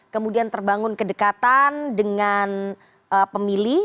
kemudian terbangun kedekatan dengan pemilih